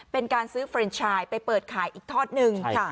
เป็นการซื้อเฟรนชายไปเปิดขายอีกทอดหนึ่ง